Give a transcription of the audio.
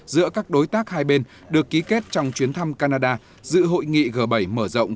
giữa các đối tác hai bên được ký kết trong chuyến thăm canada dự hội nghị g bảy mở rộng